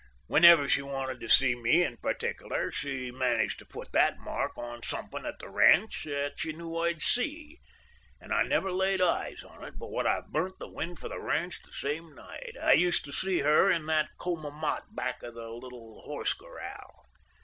Whenever she wanted to see me in particular she managed to put that mark on somethin' at the ranch that she knew I'd see. And I never laid eyes on it but what I burnt the wind for the ranch the same night. I used to see her in that coma mott back of the little horse corral."